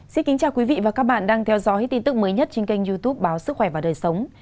xin kính chào quý vị và các bạn đang theo dõi tin tức mới nhất trên kênh youtube báo sức khỏe và đời sống